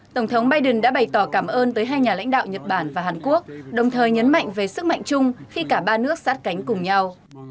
tổng thống biden đã bày tỏ cảm ơn tới hai nhà lãnh đạo nhật bản và hàn quốc đồng thời nhấn mạnh về sức mạnh chung khi cả ba nước sát cánh cùng nhau